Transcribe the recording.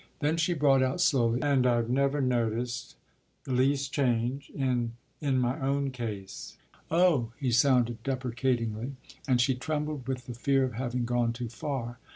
Then she brought out slowly: “And I’ve never noticed the least change in in my own case ” “Oh,” he sounded deprecatingly, and she trembled with the fear of having gone too far.